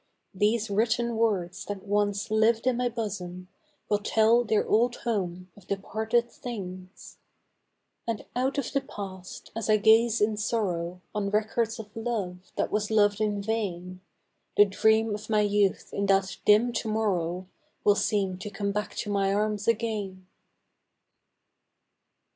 These written words that once lived in my bosom Will tell their old home of departed things ; And out of the Past, as I gaze in sorrow On records of love that was loved in vain, The dream of my youth in that dim to morrow Will seem to come back to my arms again